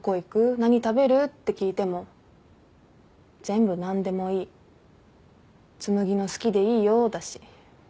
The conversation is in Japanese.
何食べる？って聞いても全部「何でもいい紬の好きでいいよ」だし。